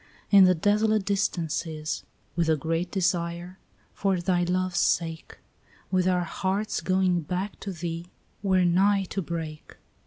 In the desolate distances, with a great desire, For thy love's sake, With our hearts going back to thee, they were filled with fire, Were nigh to break.